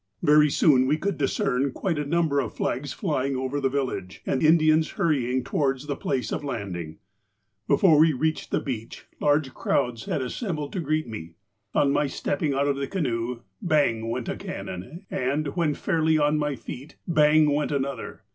"Very soon we could discern quite a number of flags flying over the village, and Indians hurrying towards the place of landing. Before we reached the beach, large crowds had as 228 HOME AGAIN 229 sembled to greet me. On my stepping out of the canoe, bang went a cannon, and, when fairly on my feet, bang, went an other.